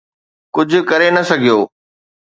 ڪجهه ڪري نه سگهيو.